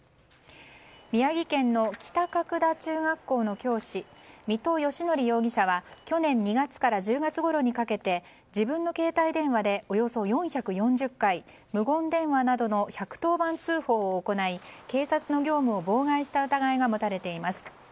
宮城県の中学校の教師水戸良紀容疑者は去年２月から１０月ごろにかけて自分の携帯電話でおよそ４４０回無言電話などの１１０番通報を行い警察の業務を妨害した疑いが持たれています。